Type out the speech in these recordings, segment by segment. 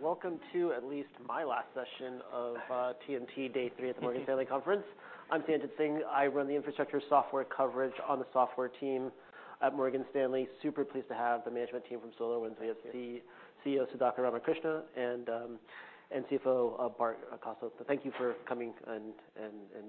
Welcome to at least my last session of TMT day three at the Morgan Stanley conference. I'm Sanjit Singh. I run the infrastructure software coverage on the software team at Morgan Stanley. Super pleased to have the management team from SolarWinds here. The CEO, Sudhakar Ramakrishna, and CFO, Bart Kalsu. Thank you for coming and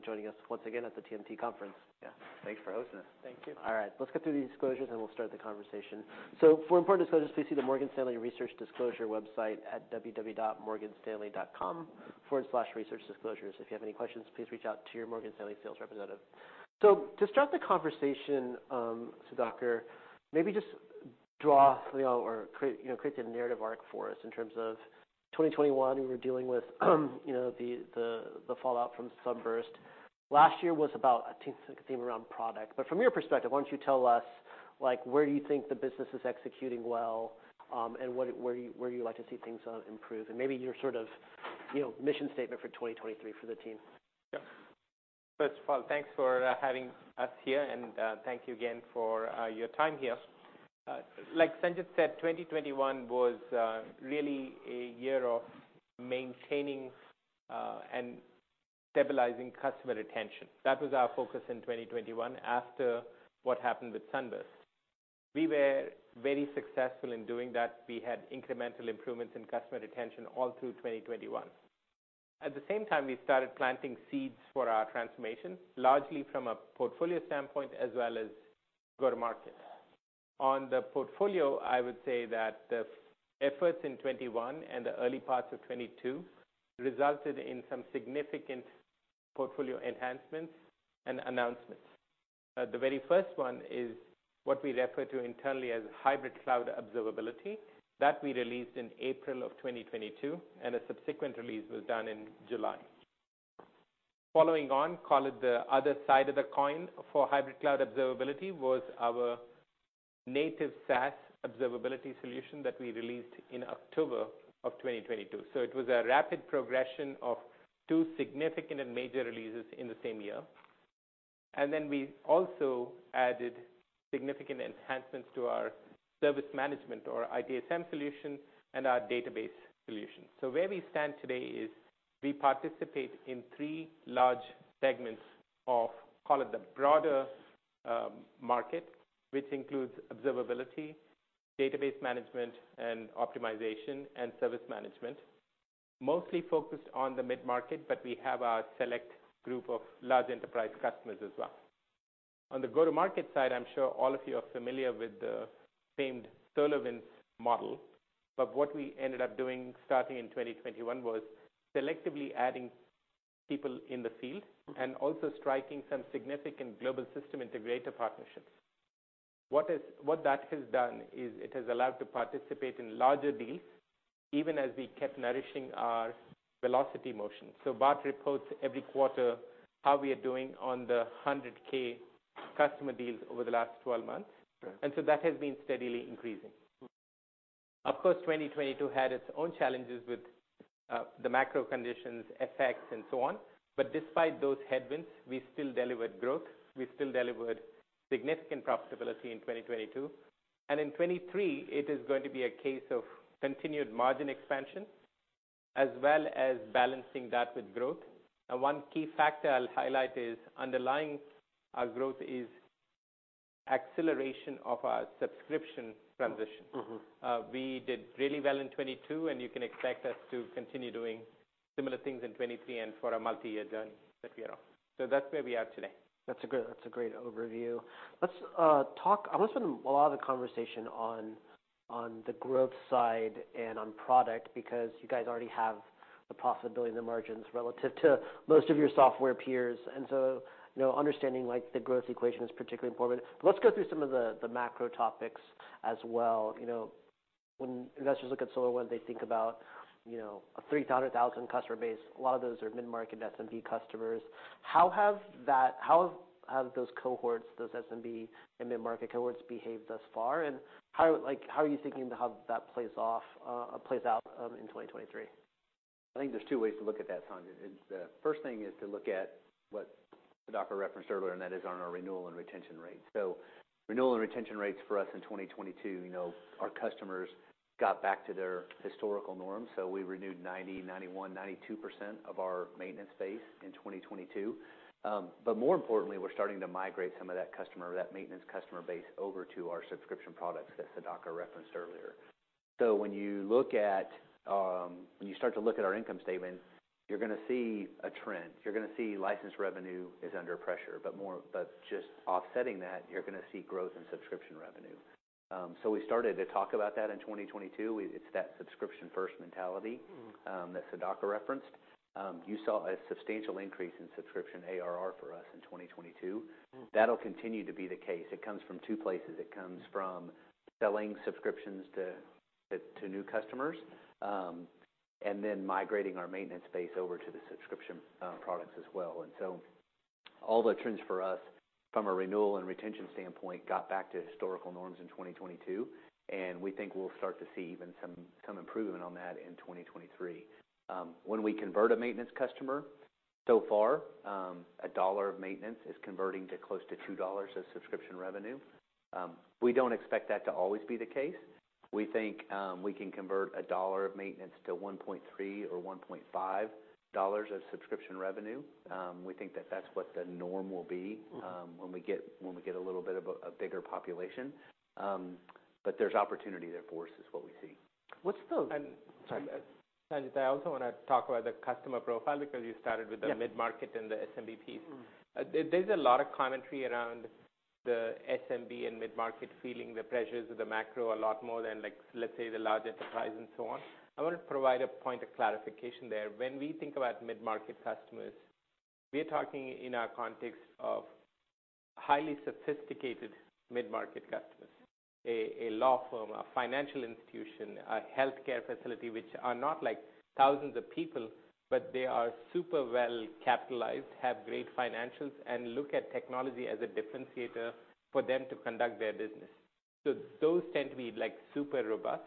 joining us once again at the TMT conference. Yeah. Thanks for hosting us. Thank you. All right. Let's get through the disclosures, and we'll start the conversation. For important disclosures, please see the Morgan Stanley research disclosure website at www.morganstanley.com/researchdisclosures. If you have any questions, please reach out to your Morgan Stanley sales representative. To start the conversation, Sudhakar, maybe just draw, you know, or create, you know, create the narrative arc for us in terms of 2021, we were dealing with, you know, the fallout from SUNBURST. Last year was about I think like a theme around product. From your perspective, why don't you tell us, like, where you think the business is executing well, and where you'd like to see things improve and maybe your sort of, you know, mission statement for 2023 for the team. First of all, thanks for having us here, and thank you again for your time here. Like Sanjit said, 2021 was really a year of maintaining and stabilizing customer retention. That was our focus in 2021 after what happened with SUNBURST. We were very successful in doing that. We had incremental improvements in customer retention all through 2021. At the same time, we started planting seeds for our transformation, largely from a portfolio standpoint as well as go-to-market. On the portfolio, I would say that the efforts in 2021 and the early parts of 2022 resulted in some significant portfolio enhancements and announcements. The very first one is what we refer to internally as Hybrid Cloud Observability. That we released in April of 2022, and a subsequent release was done in July. Following on, call it the other side of the coin for Hybrid Cloud Observability, was our native SaaS observability solution that we released in October of 2022. It was a rapid progression of two significant and major releases in the same year. We also added significant enhancements to our service management or ITSM solution and our database solution. Where we stand today is we participate in three large segments of, call it, the broader market, which includes observability, database management and optimization, and service management, mostly focused on the mid-market, but we have our select group of large enterprise customers as well. On the go-to-market side, I'm sure all of you are familiar with the famed SolarWinds model. What we ended up doing starting in 2021 was selectively adding people in the field and also striking some significant global system integrator partnerships. What that has done is it has allowed to participate in larger deals even as we kept nourishing our velocity motion. Bart reports every quarter how we are doing on the 100K customer deals over the last 12 months. Right. That has been steadily increasing. Of course, 2022 had its own challenges with the macro conditions effects and so on. Despite those headwinds, we still delivered growth. We still delivered significant profitability in 2022. In 2023, it is going to be a case of continued margin expansion as well as balancing that with growth. One key factor I'll highlight is underlying our growth is acceleration of our subscription transition. Mm-hmm. We did really well in 2022, and you can expect us to continue doing similar things in 2023 and for a multi-year journey that we are on. That's where we are today. That's a great overview. Let's talk. I want to spend a lot of the conversation on the growth side and on product because you guys already have the profitability and the margins relative to most of your software peers. You know, understanding, like, the growth equation is particularly important. Let's go through some of the macro topics as well. You know, when investors look at SolarWinds, they think about, you know, a 300,000 customer base. A lot of those are mid-market SMB customers. How have those cohorts, those SMB and mid-market cohorts behaved thus far? How, like, how are you thinking how that plays off, plays out in 2023? I think there's two ways to look at that, Sanjit. Is the first thing is to look at what Sudhakar referenced earlier, and that is on our renewal and retention rates. Renewal and retention rates for us in 2022, you know, our customers got back to their historical norms. We renewed 90%, 91%, 92% of our maintenance base in 2022. More importantly, we're starting to migrate some of that customer, that maintenance customer base over to our subscription products that Sudhakar referenced earlier. When you start to look at our income statement, you're gonna see a trend. You're gonna see license revenue is under pressure, but just offsetting that, you're gonna see growth in subscription revenue. We started to talk about that in 2022. It's that subscription-first mentality- Mm-hmm. That Sudhakar referenced. You saw a substantial increase in subscription ARR for us in 2022. Mm-hmm. That'll continue to be the case. It comes from two places. It comes from selling subscriptions to new customers and then migrating our maintenance base over to the subscription products as well. All the trends for us from a renewal and retention standpoint got back to historical norms in 2022, and we think we'll start to see even some improvement on that in 2023. When we convert a maintenance customer, so far, a dollar of maintenance is converting to close to $2 of subscription revenue. We don't expect that to always be the case. We think we can convert a dollar of maintenance to $1.3 or $1.5 of subscription revenue. We think that that's what the norm will be, when we get a little bit of a bigger population. There's opportunity there for us is what we see. What's? And- Sorry. Sanjit, I also wanna talk about the customer profile because you started with. Yeah.... mid-market and the SMB piece. There's a lot of commentary around the SMB and mid-market feeling the pressures of the macro a lot more than like let's say the large enterprise and so on. I wanna provide a point of clarification there. When we think about mid-market customers, we are talking in our context of highly sophisticated mid-market customers. A law firm, a financial institution, a healthcare facility, which are not like thousands of people, but they are super well capitalized, have great financials, and look at technology as a differentiator for them to conduct their business. So those tend to be like super robust.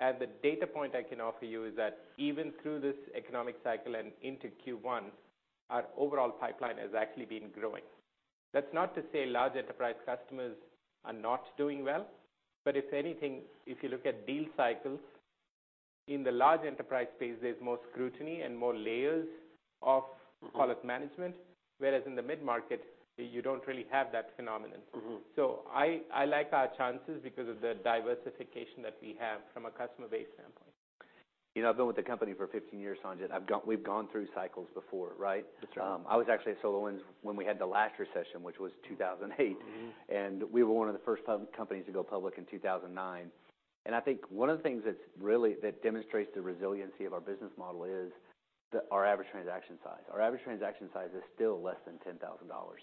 And the data point I can offer you is that even through this economic cycle and into Q1, our overall pipeline has actually been growing. That's not to say large enterprise customers are not doing well, but if anything, if you look at deal cycles, in the large enterprise space, there's more scrutiny and more layers of-. Mm-hmm. product management, whereas in the mid-market, you don't really have that phenomenon. Mm-hmm. I like our chances because of the diversification that we have from a customer base standpoint. You know, I've been with the company for 15 years, Sanjit. We've gone through cycles before, right? That's right. I was actually at SolarWinds when we had the last recession, which was 2008. Mm-hmm. We were one of the first companies to go public in 2009. I think one of the things that demonstrates the resiliency of our business model is our average transaction size. Our average transaction size is still less than $10,000,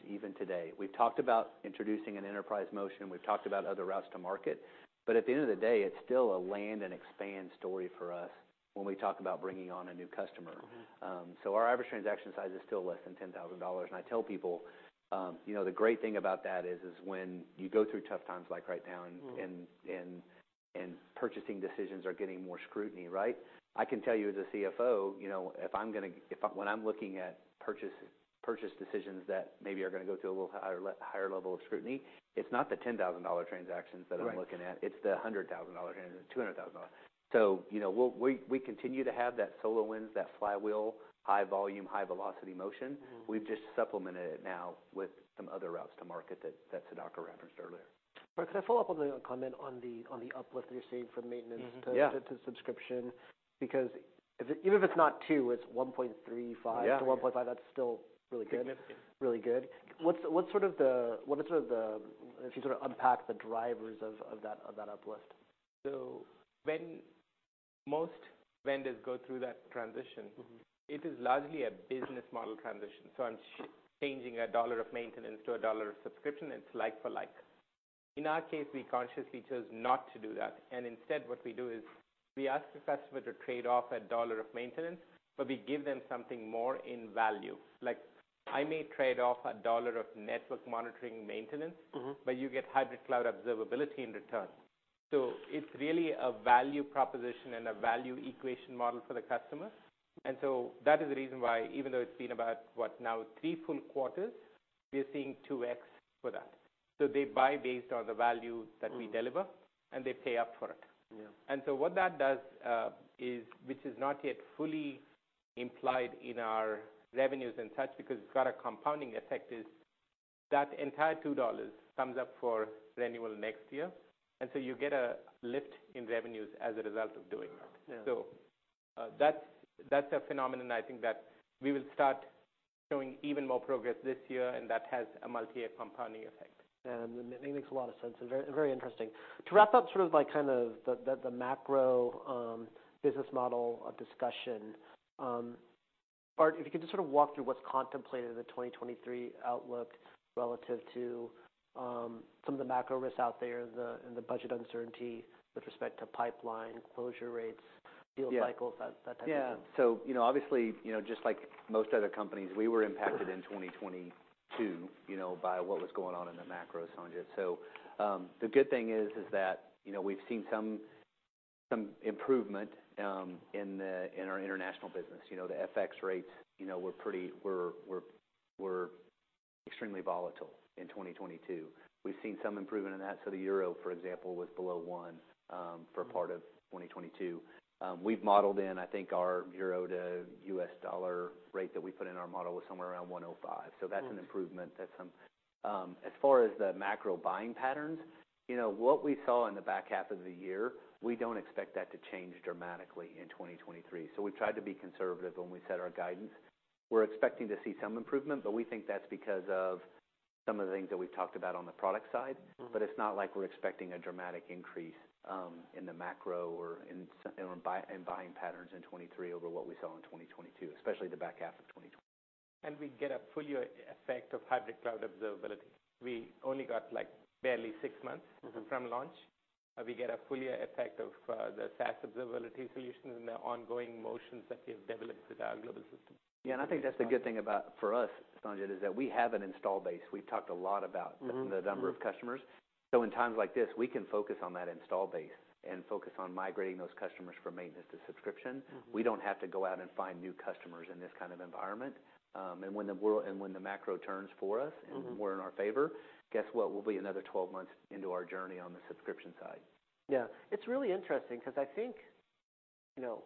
even today. We've talked about introducing an enterprise motion, we've talked about other routes to market, at the end of the day, it's still a land and expand story for us when we talk about bringing on a new customer. Mm-hmm. Our average transaction size is still less than $10,000. I tell people, you know, the great thing about that is when you go through tough times like right now. Mm-hmm Purchasing decisions are getting more scrutiny, right? I can tell you as a CFO, you know, when I'm looking at purchase decisions that maybe are gonna go to a little higher level of scrutiny, it's not the $10,000 transactions that I'm looking at. Right. It's the $100,000 transactions, $200,000. You know, we continue to have that SolarWinds, that flywheel, high volume, high velocity motion. Mm-hmm. We've just supplemented it now with some other routes to market that Sudhakar referenced earlier. Bart, could I follow up on the comment on the uplift that you're seeing from maintenance. Mm-hmm. Yeah to subscription? Because even if it's not two, it's 1.35- Yeah. to 1.5, that's still really good. Significant. Really good. What's sort of the, what is sort of the If you sort of unpack the drivers of that uplift? When most vendors go through that transition... Mm-hmm.... it is largely a business model transition. I'm changing a dollar of maintenance to a dollar of subscription, it's like for like. In our case, we consciously chose not to do that. Instead, what we do is we ask the customer to trade off a dollar of maintenance, but we give them something more in value. Like, I may trade off a dollar of network monitoring maintenance- Mm-hmm.... you get Hybrid Cloud Observability in return. It's really a value proposition and a value equation model for the customer. That is the reason why even though it's been about, what, now three full quarters, we are seeing 2X for that. They buy based on the value that we deliver, and they pay up for it. Yeah. What that does, is, which is not yet fully implied in our revenues and such because it's got a compounding effect, is that entire $2 comes up for renewal next year. You get a lift in revenues as a result of doing that. Yeah. That's a phenomenon I think that we will start showing even more progress this year, and that has a multi-year compounding effect. It makes a lot of sense. It's very, very interesting. To wrap up sort of like kind of the macro business model discussion, Bart, if you could just sort of walk through what's contemplated in the 2023 outlook relative to some of the macro risks out there and the budget uncertainty with respect to pipeline closure rates. Yeah.... deal cycles, that type of thing. Yeah. You know, obviously, you know, just like most other companies, we were impacted in 2022, you know, by what was going on in the macro, Sanjit. The good thing is that, you know, we've seen some improvement in our international business. You know, the FX rates, you know, were extremely volatile in 2022. We've seen some improvement in that. The euro, for example, was below one for part of 2022. We've modeled in, I think our euro to U.S. dollar rate that we put in our model was somewhere around 1.05. That's an improvement. As far as the macro buying patterns, you know, what we saw in the back half of the year, we don't expect that to change dramatically in 2023. We've tried to be conservative when we set our guidance. We're expecting to see some improvement, but we think that's because of some of the things that we've talked about on the product side. Mm-hmm. It's not like we're expecting a dramatic increase, in the macro or in buying patterns in 2023 over what we saw in 2022, especially the back half of 2022. We get a full year effect of Hybrid Cloud Observability. We only got like barely six months. Mm-hmm.... from launch. We get a full year effect of the SaaS observability solutions and the ongoing motions that we have developed with our global systems. Yeah, I think that's the good thing about for us, Sanjit, is that we have an install base. Mm-hmm, mm-hmm.... the number of customers. In times like this, we can focus on that install base and focus on migrating those customers from maintenance to subscription. Mm-hmm. We don't have to go out and find new customers in this kind of environment. When the macro turns for us. Mm-hmm.... we're in our favor, guess what? We'll be another 12 months into our journey on the subscription side. Yeah. It's really interesting because I think, you know,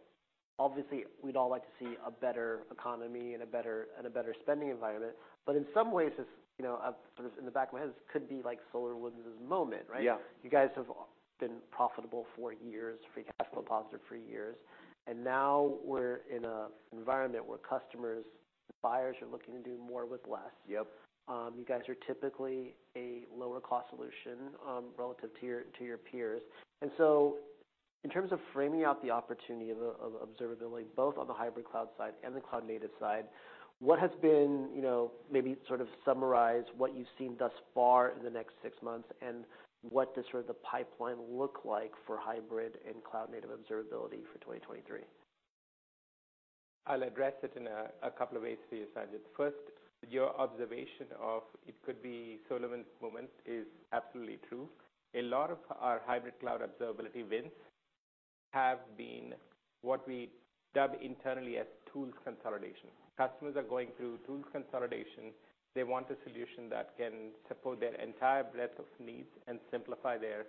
obviously, we'd all like to see a better economy and a better spending environment. In some ways, this, you know, sort of in the back of my head, this could be like SolarWinds' moment, right? Yeah. You guys have been profitable for years, free cash flow positive for years, and now we're in a environment where customers, buyers are looking to do more with less. Yep. You guys are typically a lower cost solution relative to your, to your peers. In terms of framing out the opportunity of observability, both on the hybrid cloud side and the cloud native side, what has been, you know, maybe sort of summarize what you've seen thus far in the next six months and what does sort of the pipeline look like for hybrid and cloud native observability for 2023? I'll address it in a couple of ways for you, Sanjit. First, your observation of it could be SolarWinds moment is absolutely true. A lot of our hybrid cloud observability wins have been what we dub internally as tools consolidation. Customers are going through tools consolidation. They want a solution that can support their entire breadth of needs and simplify their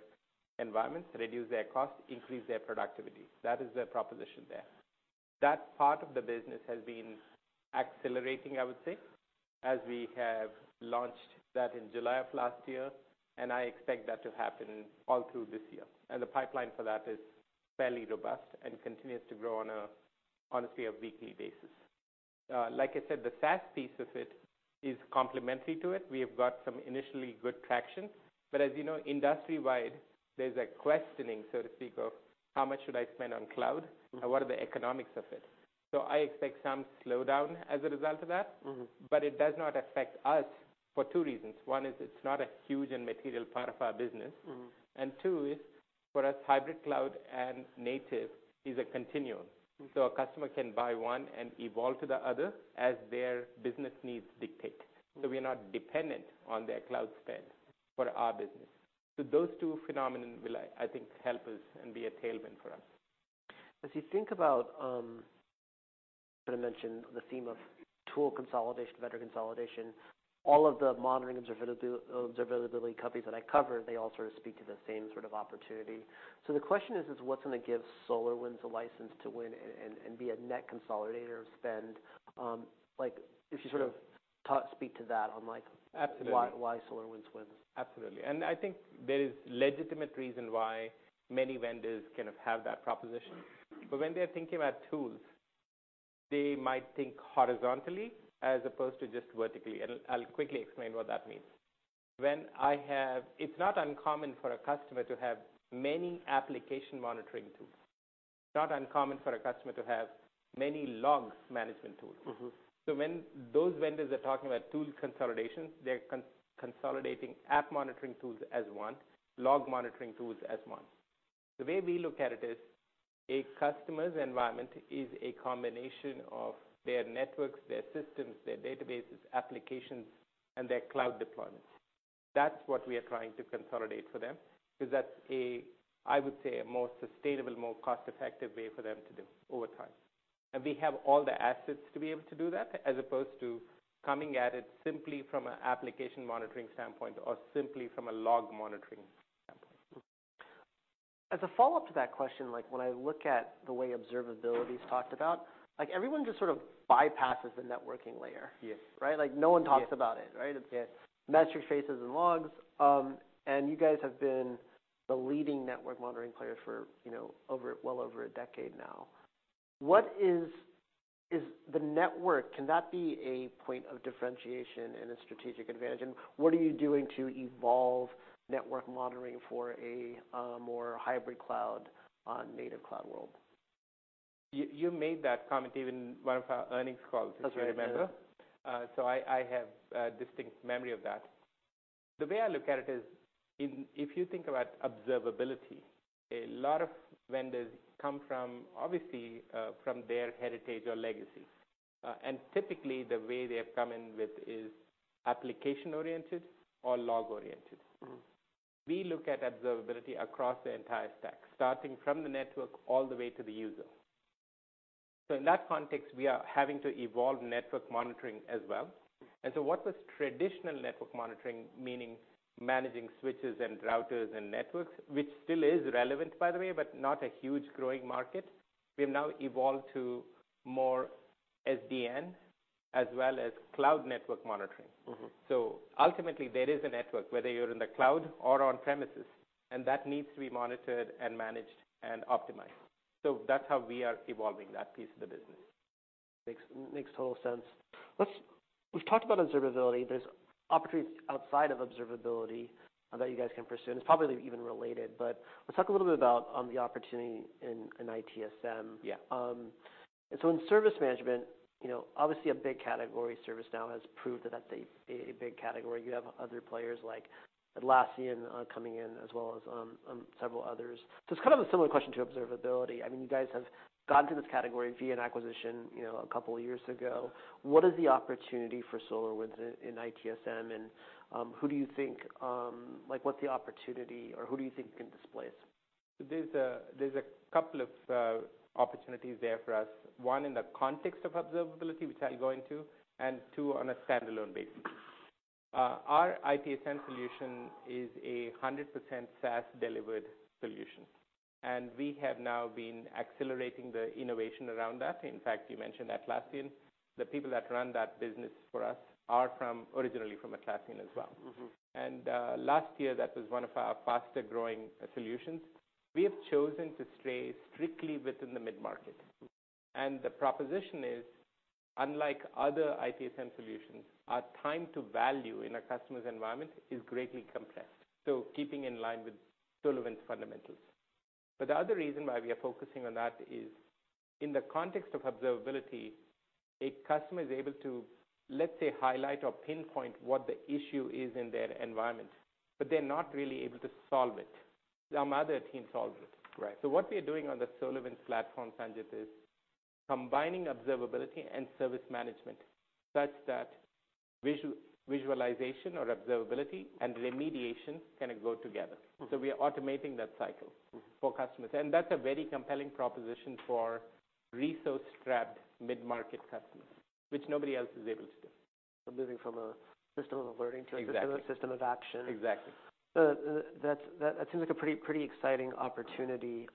environment, reduce their cost, increase their productivity. That is the proposition there. That part of the business has been accelerating, I would say, as we have launched that in July of last year. I expect that to happen all through this year. The pipeline for that is fairly robust and continues to grow on a, honestly, a weekly basis. Like I said, the SaaS piece of it is complementary to it. We have got some initially good traction. As you know, industry-wide, there's a questioning, so to speak, of how much should I spend on cloud? Mm-hmm. What are the economics of it? I expect some slowdown as a result of that. Mm-hmm. It does not affect us for two reasons. One is it's not a huge and material part of our business. Mm-hmm. Two is for us, hybrid cloud and native is a continuum. Mm-hmm. A customer can buy one and evolve to the other as their business needs dictate. Mm-hmm. We're not dependent on their cloud spend for our business. Those two phenomenon will, I think, help us and be a tailwind for us. As you think about, kind of mentioned the theme of tool consolidation, better consolidation, all of the monitoring observability companies that I cover, they all sort of speak to the same sort of opportunity. The question is: what's going to give SolarWinds a license to win and be a net consolidator of spend? Like if you sort of speak to that on like? Absolutely. why SolarWinds wins? Absolutely. I think there is legitimate reason why many vendors kind of have that proposition. When they're thinking about tools, they might think horizontally as opposed to just vertically, and I'll quickly explain what that means. It's not uncommon for a customer to have many application monitoring tools. It's not uncommon for a customer to have many logs management tools. Mm-hmm. When those vendors are talking about tools consolidation, they're consolidating app monitoring tools as one, log monitoring tools as one. The way we look at it is a customer's environment is a combination of their networks, their systems, their databases, applications, and their cloud deployments. That's what we are trying to consolidate for them, 'cause that's a, I would say, a more sustainable, more cost-effective way for them to do over time. We have all the assets to be able to do that, as opposed to coming at it simply from an application monitoring standpoint or simply from a log monitoring standpoint. As a follow-up to that question, like when I look at the way observability is talked about, like everyone just sort of bypasses the networking layer. Yes. Right? Like no one talks about it, right? Yes. Metrics, traces, and logs. You guys have been the leading network monitoring player for, you know, over, well over a decade now. Is the network, can that be a point of differentiation and a strategic advantage? What are you doing to evolve network monitoring for a more hybrid cloud on native cloud world? You made that comment even one of our earnings calls. That's right. Yeah.... if you remember. I have a distinct memory of that. The way I look at it is if you think about observability, a lot of vendors come from, obviously, from their heritage or legacy. Typically, the way they have come in with is application-oriented or log-oriented. Mm-hmm. We look at observability across the entire stack, starting from the network all the way to the user. In that context, we are having to evolve network monitoring as well. What was traditional network monitoring, meaning managing switches and routers and networks, which still is relevant, by the way, but not a huge growing market, we have now evolved to more SDN as well as cloud network monitoring. Mm-hmm. Ultimately, there is a network, whether you're in the cloud or on premises, and that needs to be monitored and managed and optimized. That's how we are evolving that piece of the business. Makes total sense. We've talked about observability. There's opportunities outside of observability that you guys can pursue, and it's probably even related. Let's talk a little bit about the opportunity in ITSM. Yeah. In service management, you know, obviously a big category. ServiceNow has proved that that's a big category. You have other players like Atlassian, coming in as well as several others. It's kind of a similar question to observability. I mean, you guys have gone through this category via an acquisition, you know, a couple of years ago. What is the opportunity for SolarWinds in ITSM, and who do you think, like, what's the opportunity, or who do you think you can displace? There's a couple of opportunities there for us. One in the context of observability, which I'll go into, and two on a standalone basis. Our ITSM solution is a 100% SaaS-delivered solution. We have now been accelerating the innovation around that. In fact, you mentioned Atlassian. The people that run that business for us are from, originally from Atlassian as well. Mm-hmm. Last year, that was one of our faster-growing solutions. We have chosen to stay strictly within the mid-market. The proposition is, unlike other ITSM solutions, our time to value in a customer's environment is greatly compressed, so keeping in line with SolarWinds fundamentals. The other reason why we are focusing on that is in the context of observability, a customer is able to, let's say, highlight or pinpoint what the issue is in their environment, but they're not really able to solve it. Some other team solves it. Right. What we are doing on the SolarWinds platform, Sanjit, is combining observability and service management such that visualization or observability and remediation kind of go together. Mm. We are automating that cycle. Mm for customers. That's a very compelling proposition for resource-strapped mid-market customers, which nobody else is able to do. moving from a system of alerting- Exactly. to a system of action. Exactly. That seems like a pretty exciting opportunity.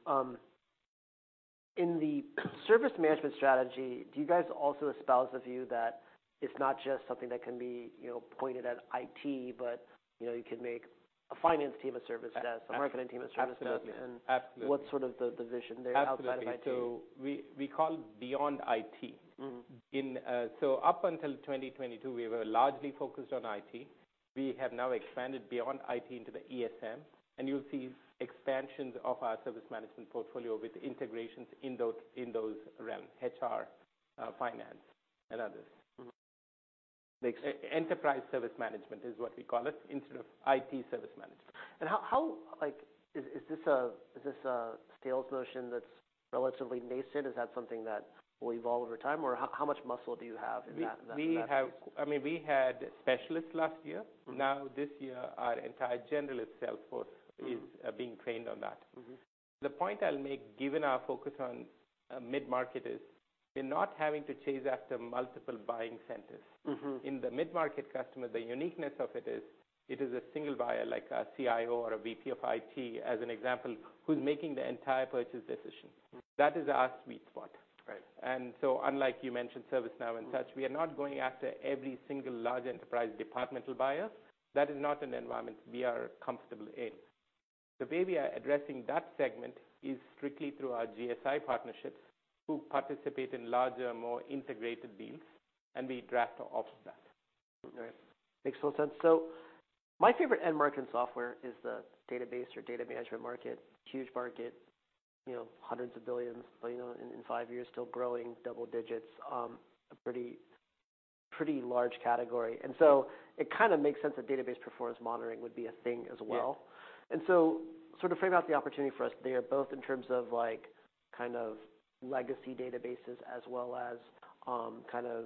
In the service management strategy, do you guys also espouse the view that it's not just something that can be, you know, pointed at IT, but, you know, you could make a finance team a service desk. Absolutely. a marketing team a service desk? Absolutely. What's sort of the vision there outside of IT? Absolutely. We call beyond IT. Mm-hmm. Up until 2022, we were largely focused on IT. We have now expanded beyond IT into the ESM, and you'll see expansions of our service management portfolio with integrations in those realms, HR, finance and others. Mm. Makes- Enterprise Service Management is what we call it, instead of IT Service Management. How, like, is this a sales motion that's relatively nascent? Is that something that will evolve over time? How much muscle do you have in that space? We have, I mean, we had specialists last year. Mm. This year, our entire generalist sales force is being trained on that. Mm-hmm. The point I'll make, given our focus on mid-market, is we're not having to chase after multiple buying centers. Mm-hmm. In the mid-market customer, the uniqueness of it is, it is a single buyer, like a CIO or a VP of IT, as an example, who's making the entire purchase decision. Mm. That is our sweet spot. Right. unlike you mentioned, ServiceNow and such. Mm. We are not going after every single large enterprise departmental buyer. That is not an environment we are comfortable in. The way we are addressing that segment is strictly through our GSI partnerships, who participate in larger, more integrated deals, and we draft off of that. Right. Makes total sense. My favorite end market in software is the database or data management market. Huge market, you know, hundreds of billions, you know, in five years, still growing double digits. A pretty large category. It kind of makes sense that database performance monitoring would be a thing as well. Yeah. Sort of frame out the opportunity for us there, both in terms of like, kind of legacy databases as well as, kind of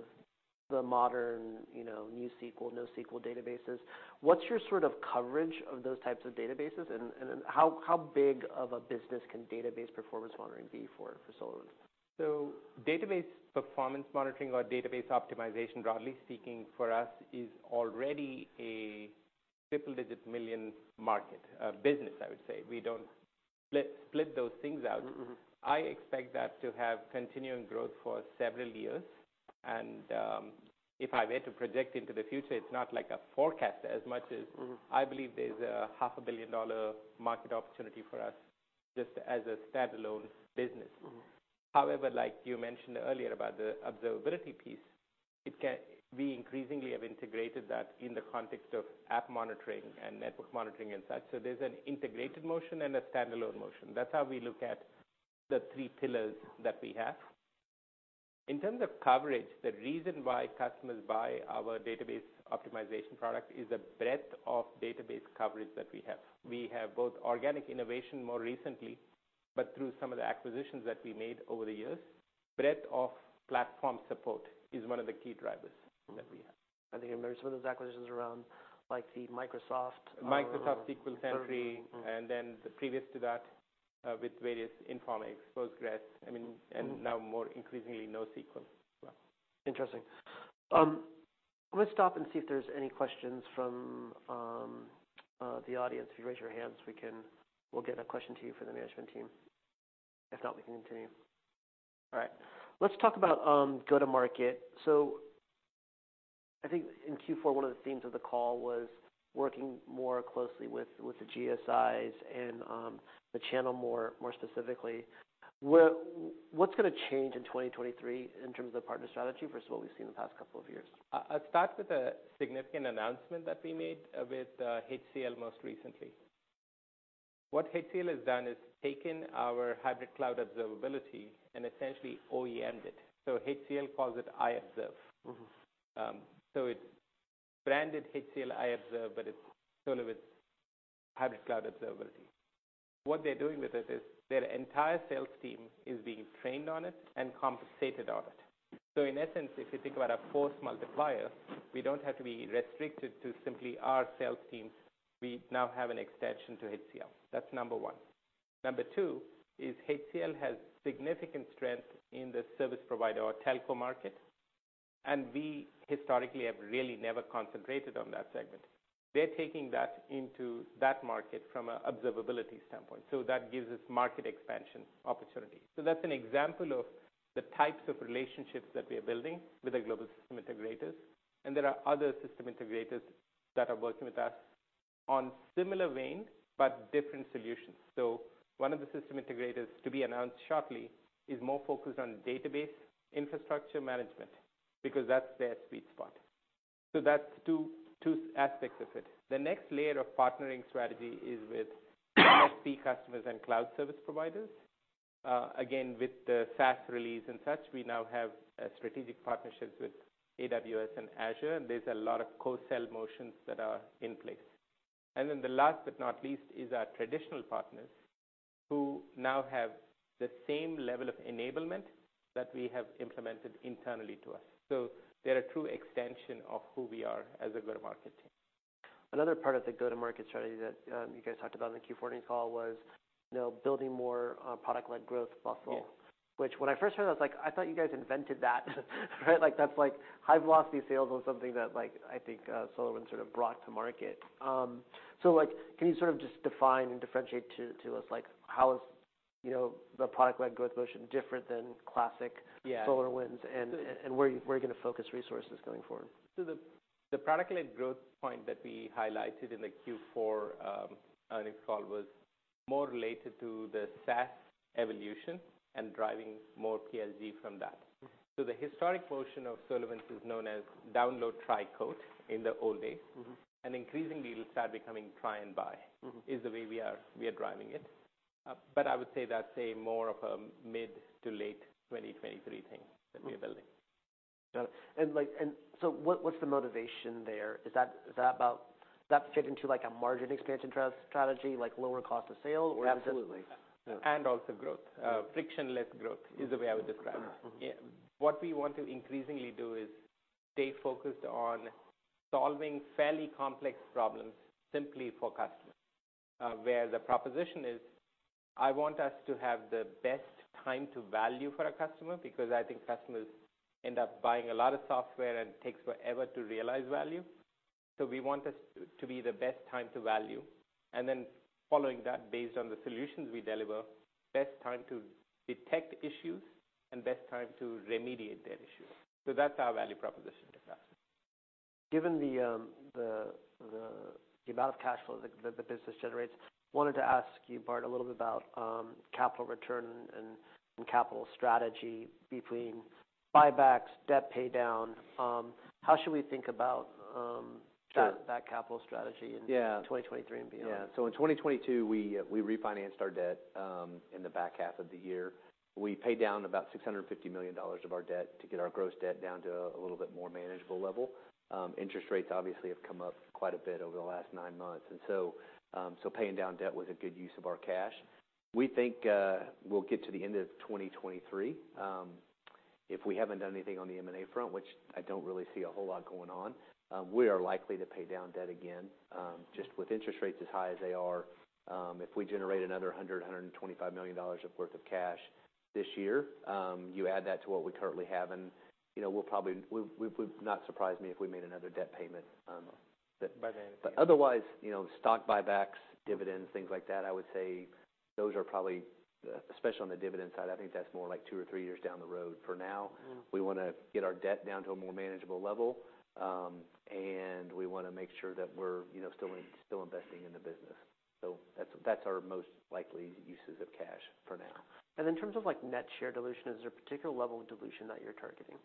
the modern, you know, NewSQL, NoSQL databases. What's your sort of coverage of those types of databases? then how big of a business can database performance monitoring be for SolarWinds? Database performance monitoring or database optimization, broadly speaking, for us is already a double-digit million market, business, I would say. We don't split those things out. Mm-hmm. I expect that to have continuing growth for several years. If I were to project into the future, it's not like a forecast as much as. Mm. I believe there's a half a billion dollar market opportunity for us just as a standalone business. Mm-hmm. However, like you mentioned earlier about the observability piece, we increasingly have integrated that in the context of app monitoring and network monitoring and such. There's an integrated motion and a standalone motion. That's how we look at the three pillars that we have. In terms of coverage, the reason why customers buy our database optimization product is the breadth of database coverage that we have. We have both organic innovation more recently, but through some of the acquisitions that we made over the years, breadth of platform support is one of the key drivers that we have. I think I remember some of those acquisitions around, like, the Microsoft. Microsoft SQL Sentry. Mm-hmm. previous to that, with various Informix, Postgres. Mm-hmm.... and now more increasingly NoSQL as well. Interesting. Let's stop and see if there's any questions from the audience. If you raise your hands, we'll get a question to you from the management team. If not, we can continue. All right. Let's talk about go-to-market. I think in Q4, one of the themes of the call was working more closely with the GSIs and the channel more specifically. What's gonna change in 2023 in terms of partner strategy versus what we've seen in the past couple of years? I'll start with a significant announcement that we made with HCL most recently. What HCL has done is taken our Hybrid Cloud Observability and essentially OEM'd it. HCL calls it iObserve. Mm-hmm. It's branded HCL iObserve, but it's SolarWinds Hybrid Cloud Observability. What they're doing with it is their entire sales team is being trained on it and compensated on it. In essence, if you think about a force multiplier, we don't have to be restricted to simply our sales teams. We now have an extension to HCL. That's number one. Number two is HCL has significant strength in the service provider or telco market, we historically have really never concentrated on that segment. They're taking that into that market from a observability standpoint, that gives us market expansion opportunity. That's an example of the types of relationships that we are building with the global system integrators, there are other system integrators that are working with us on similar vein, but different solutions. One of the system integrators to be announced shortly is more focused on database infrastructure management because that's their sweet spot. That's two aspects of it. The next layer of partnering strategy is with MSP customers and cloud service providers. Again, with the SaaS release and such, we now have strategic partnerships with AWS and Azure, and there's a lot of co-sell motions that are in place. The last but not least is our traditional partners who now have the same level of enablement that we have implemented internally to us. They're a true extension of who we are as a go-to-market team. Another part of the go-to-market strategy that you guys talked about in the Q4 earnings call was, you know, building more Product-Led Growth muscle. Yeah. When I first heard it, I was like, "I thought you guys invented that," right? Like, that's like high velocity sales was something that, like, I think, SolarWinds sort of brought to market. Like, can you sort of just define and differentiate to us, like, how is, you know, the product-led growth motion different than classic- Yeah.... SolarWinds and where you're gonna focus resources going forward? The product-led growth point that we highlighted in the Q4 earnings call was more related to the SaaS evolution and driving more PLG from that. Mm-hmm. The historic portion of SolarWinds is known as Download, Try, Quote in the old days. Mm-hmm. increasingly it'll start becoming Try and Buy. Mm-hmm... is the way we are driving it. I would say that's a more of a mid to late 2023 thing that we are building. Got it. like, what's the motivation there? Is that about? Does that fit into, like, a margin expansion strategy, like lower cost of sale or? Absolutely. Also growth. Frictionless growth is the way I would describe. Mm-hmm. Yeah. What we want to increasingly do is stay focused on solving fairly complex problems simply for customers, where the proposition is, I want us to have the best time to value for our customer because I think customers end up buying a lot of software and it takes forever to realize value. We want us to be the best time to value. Following that based on the solutions we deliver, best time to detect issues and best time to remediate their issues. That's our value proposition to customers. Given the amount of cash flow the business generates, wanted to ask you, Bart, a little bit about capital return and capital strategy between buybacks, debt pay down. How should we think about that? Sure.... that capital strategy. Yeah.... in 2023 and beyond? Yeah. In 2022 we refinanced our debt in the back half of the year. We paid down about $650 million of our debt to get our gross debt down to a little bit more manageable level. Interest rates obviously have come up quite a bit over the last nine months. Paying down debt was a good use of our cash. We think we'll get to the end of 2023, if we haven't done anything on the M&A front, which I don't really see a whole lot going on, we are likely to pay down debt again, just with interest rates as high as they are. If we generate another $100 million-$125 million worth of cash this year, you add that to what we currently have and, you know, would not surprise me if we made another debt payment. By the end of the year. Otherwise, you know, stock buybacks, dividends, things like that, I would say those are probably, especially on the dividend side, I think that's more like two or three years down the road. For now. Mm-hmm we wanna get our debt down to a more manageable level, and we wanna make sure that we're, you know, still investing in the business. That's our most likely uses of cash for now. In terms of, like, net share dilution, is there a particular level of dilution that you're targeting?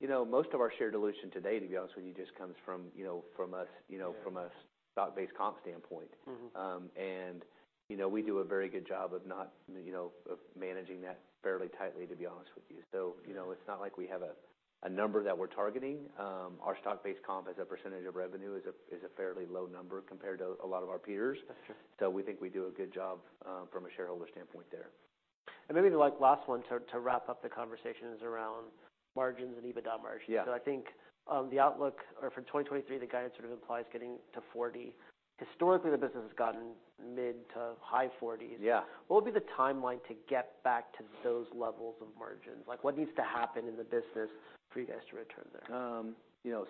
You know, most of our share dilution to date, to be honest with you, just comes from, you know, from us. Yeah.... from a stock-based comp standpoint. Mm-hmm. You know, we do a very good job of not, you know, managing that fairly tightly, to be honest with you. You know, it's not like we have a number that we're targeting. Our stock-based comp as a percentage of revenue is a fairly low number compared to a lot of our peers. That's true. We think we do a good job, from a shareholder standpoint there. Maybe the, like, last one to wrap up the conversation is around margins and EBITDA margins. Yeah. I think, the outlook or for 2023, the guidance sort of implies getting to 40%. Historically, the business has gotten mid to high 40s%. Yeah. What would be the timeline to get back to those levels of margins? Like, what needs to happen in the business for you guys to return there? You know,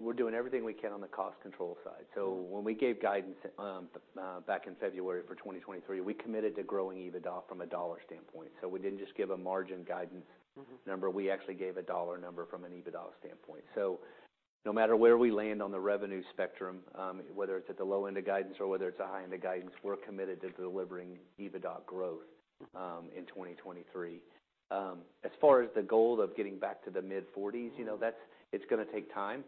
we're doing everything we can on the cost control side. Mm-hmm. When we gave guidance, back in February for 2023, we committed to growing EBITDA from a dollar standpoint, so we didn't just give a margin guidance Mm-hmm number, we actually gave a dollar number from an EBITDA standpoint. No matter where we land on the revenue spectrum, whether it's at the low end of guidance or whether it's a high end of guidance, we're committed to delivering EBITDA growth in 2023. As far as the goal of getting back to the mid-forties, you know, that's it's gonna take time.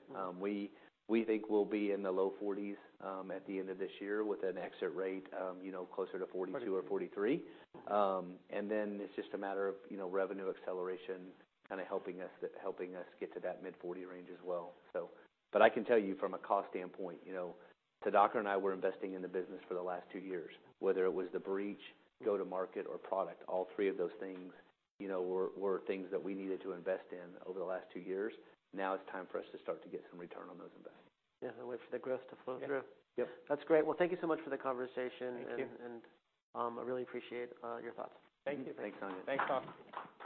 We think we'll be in the low forties at the end of this year with an exit rate, you know, closer to 42 or 43. It's just a matter of, you know, revenue acceleration kinda helping us, helping us get to that mid-forty range as well, so. I can tell you from a cost standpoint, you know, Sudhakar and I were investing in the business for the last two years, whether it was the breach, go-to-market, or product, all three of those things, you know, were things that we needed to invest in over the last two years. Now it's time for us to start to get some return on those investments. Yeah. Wait for the growth to flow through. Yep. Yep. That's great. Well, thank you so much for the conversation. Thank you. I really appreciate your thoughts. Thank you. Thanks, Sanjit. Thanks, Bart.